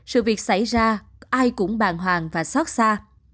sự việc xảy ra ai cũng bàn hoàng và sót xa